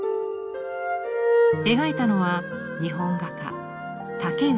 描いたのは日本画家竹内栖鳳。